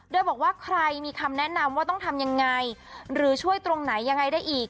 โดยบอกว่าใครมีคำแนะนำว่าต้องทำยังไงหรือช่วยตรงไหนยังไงได้อีก